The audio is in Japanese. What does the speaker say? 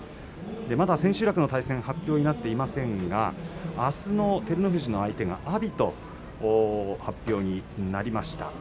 まだ千秋楽の対戦は発表になっていませんがあすの照ノ富士の相手が阿炎と発表になりました。